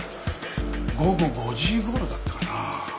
午後５時頃だったかな